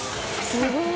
すごい！